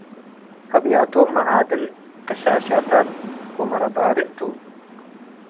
አብያቶም መዓድን፡ ቅሻሻታት ወመረባቤዕ ቱ ።